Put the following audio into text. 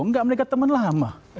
nggak mereka teman lama